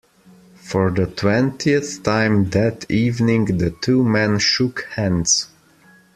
For the twentieth time that evening the two men shook hands.